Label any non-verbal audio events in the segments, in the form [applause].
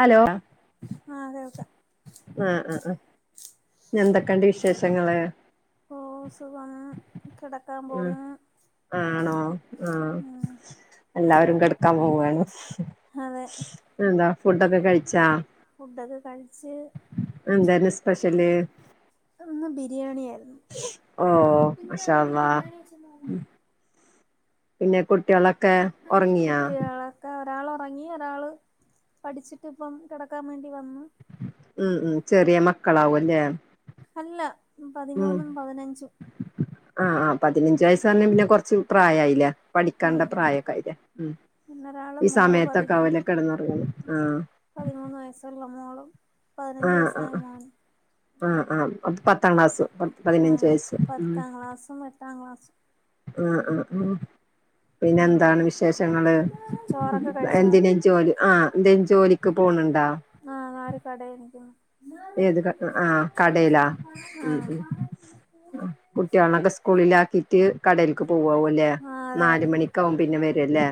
Hello ആഹ അതെ ക്കെ ആഹ ആഹ ആ എന്തൊക്കെയണ്ട് വിശേഷങ്ങള് ഓ സുഖം കിടക്കാൻ പോന്നു ആഹ ഉം എല്ലാവരും കെടക്കാൻ പോവുവയാണ് അതെ ഫുഡൊക്കെ കഴിച്ചാ ഫുഡൊക്കെ കഴിച്ച് എന്തന്നെ സ്പെഷ്യല് ഒന്ന് ബിരിയാണിയല്ല ഓ അശ അാ പിന്നെ കുട്ടികളൊക്കെ ഉറങ്ങിയാ കുട്ടികളൊക്കെ ഒരാൾ ഇറങ്ങി ഒരാള് പഠിച്ചിട്ട് ഇപ്പം കിടക്കാൻ വേണ്ടി വന്നു ഉം ഉ ചെറിയ മക്കളാവും അല്ലേ അല്ല പതിമൂന്നും പതിനഞ്ചും ആഹ ആ പതിനഞ്ച് വയസ്സ് പറഞ്ഞ പിന്നെ കൊറച്ച് പ്രായമായില്ല പഠിക്കണ്ട ഉം പ്രായക്കായില്ല ഉ പിന്നെ ഒരാള് ഈ മോള് പതി സമയത്തൊക്കെ അവല കിടന്നറങ്ങുന്നു ആ പതിമൂന്ന് വയസ്സുള്ള മോളും പതിനഞ്ചു ആഹ് വയസ്സായ ആഹ് മോനും ആഹ് ആഹ് അപ്പ പത്താം ക്ലാസ് പ പതിനഞ്ച ആഹ് വയസ് ഉ പത്താം ക്ലാസ്സും എട്ടാം ക്ലാസ്സും ആഹ ആഹ ഉമ് ഉം പിന്നെന്താണ് വിശേഷങ്ങള് ചോറൊക്കെ കഴിച്ചോ എന്തിനയും ജോലി ആഹ എന്തേും ജോലിക്ക് പോകുന്നുണ്ട് ആഹ് നല് കട എനിക്ക ഏത് ആഹ കടയിലാ ഉ ആഹ് ഉ കുട്ടികളൊക്കെ സ്കൂളിലാക്കിട്ട് കടലക്ക് പോവാവ അല്ലേ ആഹ് അതെ അതെ നാല മണിക്കാവകുമ്പ പിന്നെ വരല്ലേ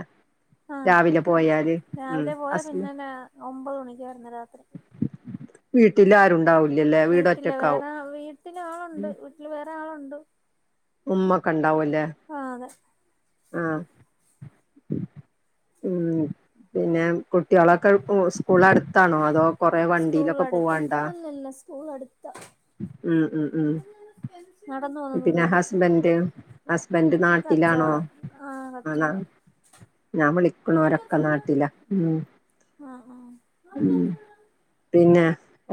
ആഹ് രാവിലെ പോയാല് ഉ രാവിലെ പോയാ അസല പിന്നെ രാ ഒമ്പത് മണിക്കാ വരുന്നെ ഉ വീട്ടില്ല വേറെ വീട്ടില ആളുണ്ട് വീട്ടില് വേറെ ആളുണ്ട് ഉമ്മക്കെ ഉണ്ടാവുംല്ലേ ആഹ് അതെ ആഹ ഉം പിന്നെ കുട്ടികളൊക്കെ സ്കൂള അടുത്താണോ അതോ കൊറെേ സ്കൂൾ വണ്ടിയിലൊക്കെ അടുത്ത പോവണ്ടാ അല്ലല്ല ഉം ഉ നടന്ന പോന്ന ദൂരേള്ളൂ ഹസ്ബൻഡ് ഹസ്ബൻഡറ് നാട്ടിലാണോ കച്ചോടം ആഹ് ആ കച്ചോടം ഞാൻ വിളിക്കണോരൊക്കെ നാട്ടില ഉ ഉ ആഹ് ആഹ് പിന്നെ പിന്നെ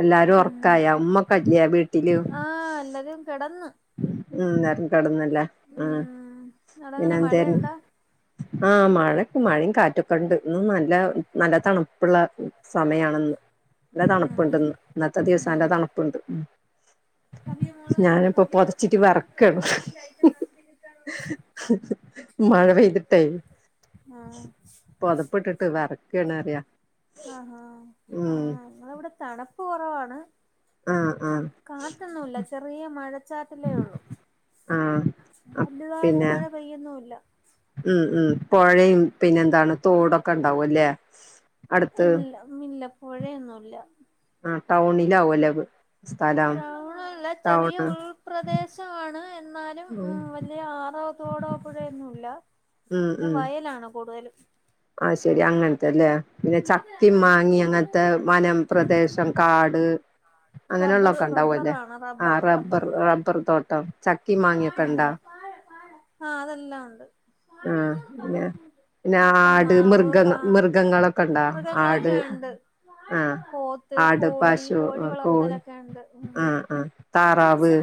എല്ലാരും ഉം ഉറക്കായ ഉമ്മക്കല്ലയാ വീട്ടില് ആഹ് എല്ലാരും കെടന്ന് ഉം നേര കടന്നല്ല ഉ ഉം പിന്നെ അവ്ടെങ്ങനെ എന്തരുന്നു മഴയുണ്ടാ ആഹ മഴ മഴയും കാറ്റൊക്കെ ഉണ്ട് ഇന്ന് നല്ല നല്ല തണുപ്പുള്ള സമയണന്ന് നല്ല ഉം തണുപ്പുണ്ട്ന്ന് ഇന്നത്തെ ദിവസം നല്ല തണുപ്പുണ്ട് അമയ മോള ഞാനിപ്പോ പൊതച്ചിട്ട് വറക്കണം മഴ പെയ്തിട്ടെ ആഹ് പുതപ്പെട്ടിട്ട് വറക്കണറിയ ആഹഹാ ആഹ ഇവിടെ തണുപ്പ് കുറവാണ് ആ ആ കാത്തൊന്നുമല്ല ചെറിയ മഴ ച്ചാറ്റേ ഉള്ളൂ ആ വലതായിട്ട് പിന്നെ മഴ പെയ്യൊന്നല്ല ഉം ഉം പുഴയും പിന്നെ എന്താണ് തോടൊക്കെ ഉണ്ടാവുംല്ലേ അടുത്ത് ഇല്ല ഇില്ലപ്പോഴേന്നുമല്ല ആ ടൗണില ആവും അല്ലവ് ടൗണല്ല ചെറിയ ഉൾപ്രദേശമാണ് എന്നാലും ഉം വലിയ ആറോത്തോടോ അപ്പോഴൊന്നുംല്ല പി വയലാണ് കൂടുതലും ആഹ ശെരി അങ്ങനത്തെല്ലേ പിന്നെ ചക്കി മാങ്ങി അങ്ങനത്തെ വനം പ്രദേശം കാട് അങ്ങനെയള്ള ഒക്കെ ഉണ്ടാവുംല്ലേ ആ റബ്ബർ റബ്ബർ തോട്ടം ചക്കി മാങ്ങിക്കണ്ടാ ആഹ അതെല്ലാം ഉണ്ട് ആ പിന്നെ പിന്നെ ചക്ക ആട് മാവ് മൃഗങ്ങ പാ മൃഗങ്ങളൊക്കെ ഉണ്ടോ ആട് മൃഗങ്ങളൊക്കെ ഉണ്ട് ആഹ പോത്ത് ആട് കോഴി പാശു കോഴി വളർത്തലൊക്കെ ഉണ്ട് ഉം ആ ആ താറാവ്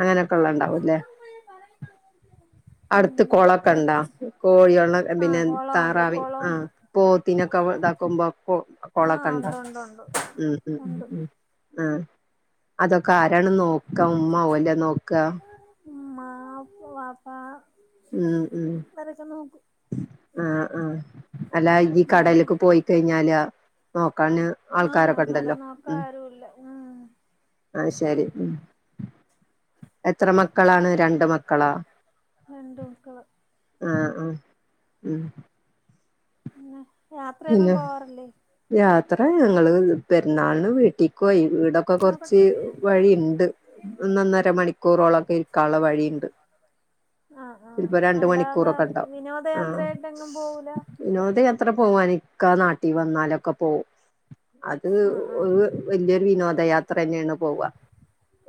അങ്ങനെയൊക്കെ ഉള്ളണ്ടാ വുംല്ലേ ഉം അടുത്ത് കൊളക്കെ ഉണ്ടാ പൂച്ച കോഴിയള്ള ആഹ് പിന്നെ കൊളമുണ്ട് താറാവി ആ കൊളമുണ്ട് പോത്തിനൊക്കെ ഇതാക്കുമ്പോള ആഹ് കണ്ട ഉണ്ട് ഉണ്ട് ഉണ്ട് ഉ ഉണ്ട് ആ അതൊക്കെ ആരാണ് നോക്ക ഉ്മാവല്ലേ നോക്ക മാ പപ്പാ ഉം ഉ ആഹ ഉ അല്ല ഈ ഉം കടലേക്ക് പോയി കഴിഞ്ഞാല് ക്കാന് ആഹ് ആൾക്കാരൊക്കെ ഉണ്ടല്ലോ അന്നേരം ഉ നോക്കാൻ ആരുല്ല ഉം ആഹ ശരി ഉ എത്ര മക്കളാണ് രണ്ട മക്കളാ ആ ആഹ ആ ഉ പിന്നെ യാത്രയൊന്നും പോവാറില്ലേ അത്ര ഞങ്ങള്ൾ പെരുന്നാളിന് വീട്ടിൽക്ക് പോയി വീടൊക്കെ കുറച്ച് വഴിയുണ്ട് ഒന്നന്നര മണിക്കൂറോളം കള വഴിയുണ്ട് ആഹ് ആഹ് ചിലപ്പോ രണ്ട അല്ലാതെ മണിക്കൂറൊക്കെ ഉണ്ടാവും ആ വിനോദയാത്രയായിട്ട് എങ്ങും പോവൂല വിനോദയാത്ര പോകാനൊക്കെ നാട്ടിൽ വന്നാലൊക്കെ പോകവും അത് ആഹ് വലിയരു വിനോദ യാത്ര തന്നെയാണ് പോവുക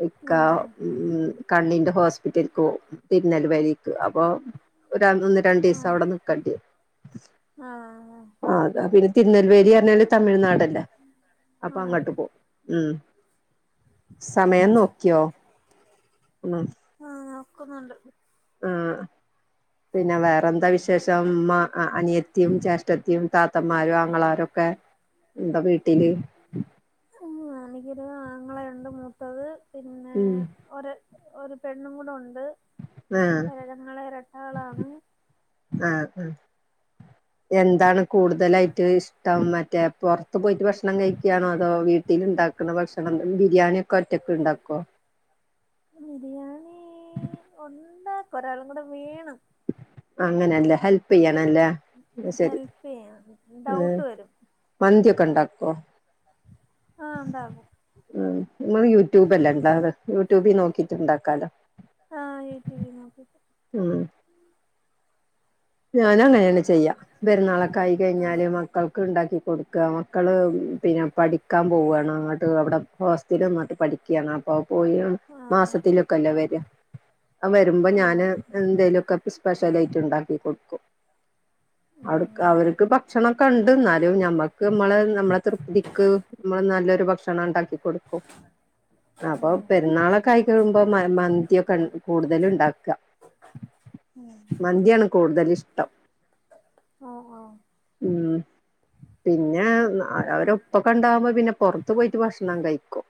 ഇക്ക ആഹ് ഉ കണ്ണിന്റെ ഹോസ്പിറ്റൽ കോ തിരുനൽ വഴി അപ്പൊ ഒ ഒന്ന് രണ്ടു ദിവസം ആഹ് അവിടെ നക്കണ്ടി ആഹ് ആ ആഹ് അതാ പിന്നെ തിരുനെൽവേലി പറഞ്ഞാല് തമിഴ്നാടല്ലേ അപ്പൊ അതെ അങ്ങോട്ട് പോകും ഉ സമയം നോക്കിയോ ഉ ആഹ നക്കുന്നുണ്ട്ണ്ട് ആഹ പിന്നെ വേറെന്താ വിശേഷം അനിയത്തിയും ചേഷ്ഠത്തിയും ത മത്തന്മാരോ അങ്ങളാരൊക്കെ എന്താ വീട്ടില് ത്തത് പിന്നെ ഉം ഒ ഒരു പെണ്ണും കൂടെ ഉണ്ട് ആഹ ഞങ്ങള് ഇരട്ടാളാണ് ആഹ ആ എന്താണ് കൂടുതലായിട്ട് ഇഷ്ടം മറ്റേ പുറത്ത് പോയിട്ട് ഭക്ഷണം കഴിക്കുകയാണോ അതോ വീട്ടിൽ ഉണ്ടാക്കുന്ന ഭക്ഷണം ബിരിയാണിയ ഒക്കെ ഒറ്റക്കെ ഇണ്ടാക്കോ ഉണ്ടാക്ക ഒരാളും കൂടെ വേണം അങ്ങനെയല്ല ഹെപ് ചെയ്യാ ആണല്ലേ ശരി ഹെൽപ് ചെയ്യാൻ ഉ ഡൗട്ട് മന്തിയൊക്കെ ഉണ്ടാക്കോ ആഹ ഉണ്ടാവും നമ്മൾ യൂട്യൂബ്ല്ലേ ഉണ്ടാവ അത് യൂട്യൂബിൽ നോക്കിട്ടുണ്ടാക്കാലോ ആഹ് യൂട്യൂബിൽ നോക്കിട്ട് ഉം ഞാൻ അങ്ങനെയാണ് ചെയ്യാ പെരുന്നാളക്കായി ആഹ് കഴിഞ്ഞാല് മക്കൾക്ക് ഉണ്ടാക്കി ക്കി കൊടുക്കുക മക്കൾ പിന്നെ പഠിക്കാൻ പോവുകയാണ് അങ്ങോട്ട് അവിടെ ഹോസ്റ്റല വന്നോട്ട് പഠിക്കുകയാണ് അപ്പോൾ പോയി [unintelligible] ആഹ് മാസത്തിലൊക്കെല്ലോ വര വരുമ്പോ ഞാന് ആഹ് എന്തേ ലൊക്കെ സ്പെഷ്യലായിട്ട് ഉണ്ടാക്കി കൊടുക്കും അവട് [unintelligible] ഉം അവർക്ക് ഭക്ഷണക്കെണ്ട്ന്നാലും ഞമ്മക്ക് നമ്മളെ നമ്മളെ തൃപ്തിക്ക് നല്ലൊരു ഭക്ഷണം ഉണ്ടാക്കി കൊടുക്കും അപ്പൊ ഉം പെരുന്നാളൊക്കെ ആയി കഴുമ്പോ മന്തിയൊക്കെ കൂടുതല് ഉണ്ടാക്ക ഉം കൂടുതൽ ഇഷ്ടം ഓഹ് ഓഹ് ഉം പിന്നെ അവരൊപ്പൊണ്ടാവുമ്പോ പിന്നെ പൊറത്ത് പോയിട്ട് ഭക്ഷണം കഴിക്കും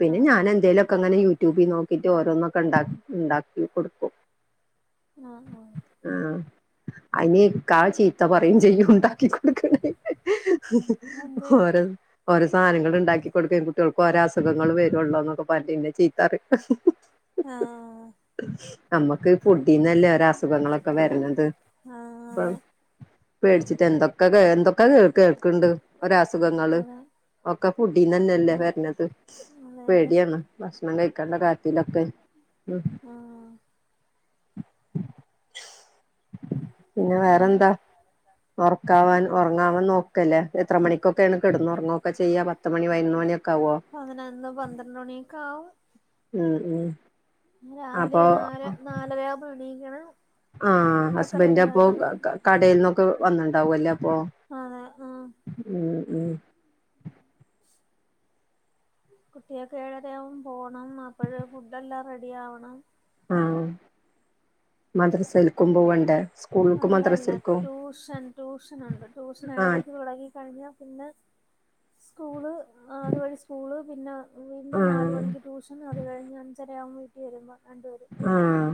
പിന്നെ ആഹ് ഞാനെന്തേ ലൊക്കെങ്ങനെ ട്യൂബി നോക്കിട്ട് ഓരോന്നൊക്കെ ഉണ്ട ഉണ്ടാക്കി കൊടുക്കും ആഹ് ആഹ് ആ അയിന് ഇക്കാ ചീത്ത പറയും ചെയും ഉണ്ടാക്കി കൊടുക്കണേന്ന് അതെന്ത് ഓരോ ഓരോ സാനങ്ങള് ഇണ്ടാക്കി കൊടുക്കേം കുട്ട്യേൾക്ക് ഓര അസുഖങ്ങള് വരൊള്ളൊന്നൊക്കെ പറഞ്ഞിട്ടേന്നെ ചീത്താറയും ആഹ് നമ്മക്ക് ഫുഡീന്നല്ലേ ഒരസുഖങ്ങളൊക്കെ വരണത് ആഹ് അപ്പൊ അതെ പേടിച്ചിട്ട് എന്തൊക്കെ കേ എന്തൊക്കെ കേ കേക്ക്ണ്ട് ഒരസുഖങ്ങള് അതെ ഒക്കെ ഫുഡിനന്നല്ലേ വരണത് അതെ അതെ പേടിയാണ്. ഭ ണം കഴിക്കണ്ട കാര്യത്തിലൊക്കെ ഉം ആഹ് പിന്നെ വേറെന്താ ഒറക്കാവാൻ ഒറങ്ങാൻ നോക്കല്ലേ എത്ര മണിക്കൊക്കെണ് കെട്ന്നോറങ്ങൊക്കെ ചെയ്യാ പത്ത് മണി പതിനൊന്ന് മ ണിക്കാവോ ന്ന് പന്ത്രണിയൊക്കെ ആവും ഉം ഉം പിന്നെ രാവിലെ അപ്പൊ നാല് നാലരാവുമ്പൊ എണീക്കണം ആഹ് ഫുഡൊക്കെ ഹസ്ബൻഡ് അപ്പോ റെഡിയാക്കണം കടേന്നൊക്കെ വന്ന്ണ്ടാവുംല്ലേ അ ഓഹ് അതെ ആഹ് ഉം ഉം കുട്ട്യേക്ക് ഏഴരയാമ്പോ പോണം. അപ്പോഴ ഫുഡ് എല്ലാം റെഡി ആവണം. ആഹ് മദ്റസേൽക്കും പോവണ്ടേ? സ്കൂൾക്കും അല്ലല്ല. മദ്രസൽക്കും ട്യൂഷൻ ട്യൂഷനൊണ്ട് ട്യൂഷൻ ആഹ് ഏഴരയ്ക്ക് തൊടങ്ങി കഴിഞ്ഞ പിന്നെ സ്കൂള് അതുവഴി സ്കൂള് പിന്നെ വീണ്ടും ആഹ് നാലുമണിക്ക് ട്യൂഷൻ അത് കഴിഞ്ഞ് അഞ്ചര ആവുമ്പം വീട്ടി വരുമ്പോ രണ്ടുപേരും ആഹ്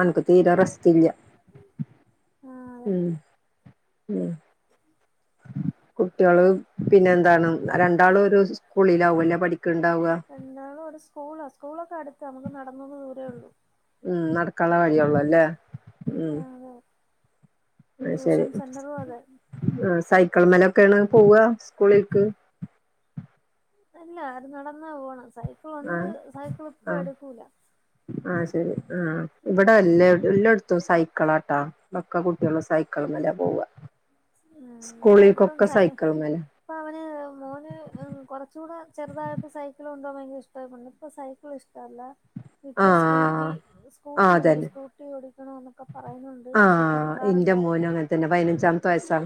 അൻക്ക് തീരെ റസ്റ്റ് ഇല്ല ആ അതെ ഉം [unintelligible] കുട്ട്യേള് പിന്നെ എന്താണ് രണ്ടാളും ഒരു സ്കൂളിലാവുല്ലെ പഠിക് രണ്ടാളും ഒരു സ്കൂളാ സ്കൂളൊക്കെ അടുത്താ നമ്മക്ക് നട ഉം നടക്കാള്ള വഴിയൊള്ളു ല്ലേ ഉം അയ് ശരി ട്യൂഷൻ സെന്ററും അതെ ആഹ് സൈ ക്കിൾമ്മലൊക്കെ ആണ് പോവ സ്കൂളിക്ക്? അല്ല അവര് നടന്നാ പോണ. സൈക്കിളുണ്ട് ആഹ് സൈക്കിൾ ഇപ്പ എട്ക്കൂല. ഉം ഇബടെ എല്ല എല്ലാട്ത്തും സൈക്കളാട്ടാ. ഒക്ക കുട്ട്യാളും സൈക്കൾമ്മലാ പോവാ. സ്കൂളിക്കൊക്കെ സൈക്കിൾമ്മലാ. ഇപ്പൊ അവന് മോന് കൊറച്ചൂടെ ചെറുതാഴപ്പ സൈക്കിൾണ്ട് ഓട്ട ഭയങ്കര ഇഷ്ട ഇപ്പ സൈക്കിള് ഇഷ്ടല്ല. ഇപ്പൊ സ്കൂട്ടി ആഹ് സ്കൂട്ടി ആഹ് ഉണ്ട്. അതന്നെ സ്കൂട്ടി ഓടിക്കണന്നൊക്കെ പറയുന്നുണ്ട്. പഷേ കൊടുക്കാറില്ല. ന്റെ മോനും അങ്ങൻ തന്നെ പയ്നഞ്ചാമത്തെ വയസ്സാ.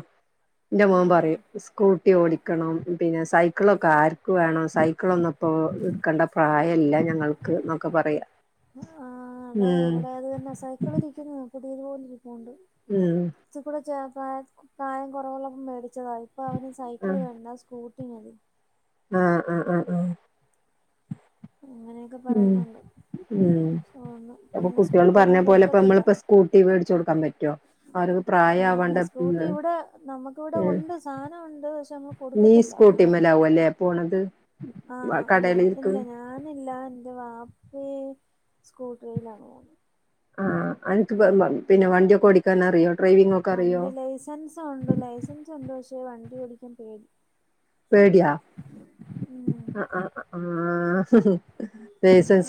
ന്റെ മോൻ ആഹ് പറയും സ്കൂട്ടി ഓടിക്കണം പിന്നെ സ് സൈക്കിളൊക്കെ ആർക്ക് വേണം സൈക്കിളൊന്നും ഇപ്പോ ഇട്ക്കണ്ട പ്രായല്ല ഞങ്ങൾക്ക് പറയാ ആഹ് അതെ ഉം ഇവടെ അത് തന്നെ സൈക്കിള് ഇരിക്കുന്നു. പുതിയതു പോലെ ഇരിപ്പൂണ്ട്. ഉം കൊറ്ച്ചുടെ പ്രായ പ്രായം കൊറവുള്ളപ്പം മേടി ച്ചതാ ഇപ്പൊ അവന് സൈക്കിള് ആഹ് വേണ്ട സ്കൂട്ടി മതി. ആഹ് ആഹ് ആഹ് ആഹ് എന്നൊക്കെ പറയുന്നുണ്ട് ഓഹ് ഇപ്പൊ കുട്ടിള് പറഞ്ഞ പോലെ ഇപ്പ നമ്മളപ്പോ സ്കൂട്ടി മേടിച്ച് കൊടുക്കാൻ പ പറ്റോ അവർക്ക് പ്രായ ആഹ് അല്ല ആവാണ്ട് ഉം സ്കൂട്ടി ഇവിടെ പക്ഷേ നമ്മള് കൊടുക്കത്തില്ല ആഹ് പോണത് ആഹ് ഞാന് കടയിലേക്ക് ഇല്ല ഞാനില്ല എന്റെ വാപ്പേം സ്കൂട്ടറിയിലാ പോന്നേ ആഹ് അന്ക്ക് പിന്നെ വണ്ടിയൊക്കെ ഓടിക്കാൻ അറിയോ ഡ്രൈവിംഗ് ഒക്കെ അറിയോ വണ്ടി ലൈസൻസ് ഉണ്ട് ലൈസൻസ് ഉണ്ട് പക്ഷെ വണ്ടി ഓടിക്കാൻ പേടി പേടിയാ ആഹ്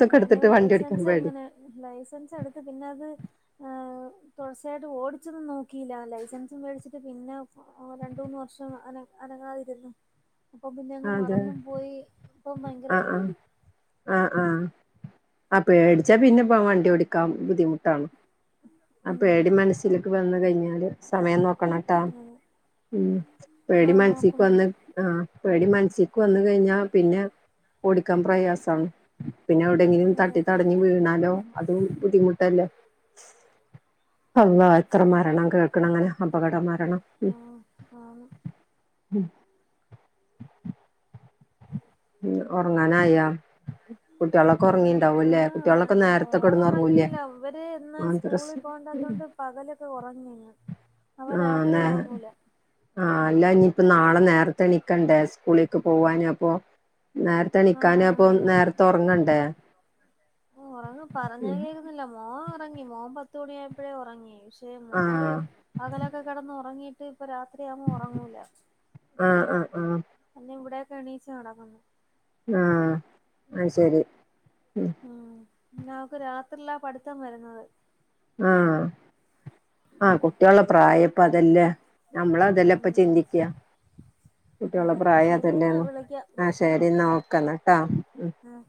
എങ്ങനെയോ ലൈസൻസ് പേടി എങ്ങനെ ലൈസൻസ് എടുത്ത് പിന്നെ അത് ആഹ്- തുടർച്ചയായിട്ട് ഓടിച്ചൊന്നും നോക്കിയില്ല ലൈസൻസും മേടിച്ചിട്ട് പിന്നെ രണ്ട് മൂന്ന് വർഷം അനങ്ങ അനങ്ങാതെ നിന്നു ഇപ്പൊ പിന്നെ അങ്ങ് അതെ മറന്നും പോയി ഇപ്പ ഭയങ്കര പേടി ആഹ് ആഹ് പേടിച്ചാ പിന്നെ വണ്ടി ഓടിക്കാൻ ബുദ്ധിമുട്ടാണ് ആ ഉം പേടി മനസ്സിലേക്ക് വന്ന് കഴിഞ്ഞാല് സമയം നോക്കണംട്ടാ അതെ ഉം പേടി ആഹ് മനസക്ക് വന്ന് നോക്കുന്നുണ്ട് ആഹ് പേടി മനസ്സക്ക് വന്ന് കഴിഞ്ഞാൽ പിന്നെ ഓടിക്കാൻ പ്രയാസണ് പിന്നെ എവിടെയങ്കിലും അതെ തട്ടി തടഞ്ഞ് വീണാലോ അതും ബുദ്ധിമുട്ടല്ലേ അള്ള എത്ര മരണം കേൾക്കണം അങ്ങനെ അപകടം മരണം ഉം ആഹ് ആണ് ഉം [inaudible] ഉം ഉറങ്ങാറായോ കുട്ടികളൊക്കെ ഉറങ്ങിണ്ടാവൂല്ലേ കുട്ടികളൊക്കെ ആഹ് നേരത്തക്കെ മോള് കിടന്ന് ഉറങ്ങൂല്ലേ ഉറങ്ങിയില്ല [unintelligible] ഇപ്പ പകലൊക്കെ ഉറങ്ങിയാ [unintelligible] നാളെ നേരത്തെ എണിക്കണ്ടേ സ്കൂളിലക്ക് പോവാൻ അപ്പൊ നേരത്തെ എണിക്കാൻ ആഹ് അപ്പൊ നേരത്തെ ഉറങ്ങണ്ടേ ഉറങ്ങും പറഞ്ഞാൽകേക്കത്തില്ല മോൻ ഉറങ്ങി മോൻ പത്ത്മണിയായപ്പഴേ ഉറങ്ങി പക്ഷേ മോള് ആഹ് അകലൊക്കെ കിടന്ന് ഉറങ്ങി ഇപ്പൊ രാത്രിയാവുമ്പോ ഉറങ്ങൂല ആഹ് ആഹ് ആഹ് ഇവിടെയൊക്കെ എണീച്ച് നടക്കുന്നു ആഹ് അത് ശരി ഉം പിന്നെ അവൾക്ക് രാത്രില്ലാ പഠിത്തം വരുന്നത് ആഹ് ആഹ് കുട്ടിയോള് പ്രായയിപ്പം അതല്ലേ നമ്മള് അതെല്ലാം ഇപ്പ ഉം ചിന്തിക്കുക കുട്ടിയുള്ള അതെ പ്രായം ശരിയെന്നാ അതെല്ലേന്ന് വിളിക്കാം ആഹ് ശരി എന്നാ ഓക്കേ കേട്ടാ ഉം